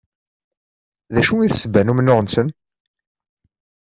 D acu i d ssebba n umennuɣ-nsen?